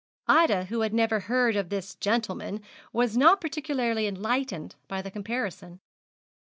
Ida, who had never heard of this gentleman, was not particularly enlightened by the comparison.